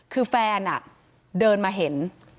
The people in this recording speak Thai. คือแฟนเดินมาเห็น